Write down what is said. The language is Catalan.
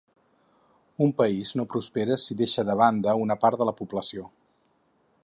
Un país no prospera si deixa de banda una part de la població.